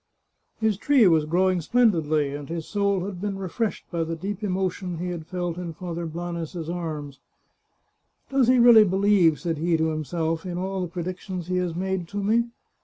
His tree was growing splendidly, and his soul had been refreshed by the deep emotion he had felt in Father Blanes's arms. " Does he really believe," said he to himself, " in all the predictions he has made to me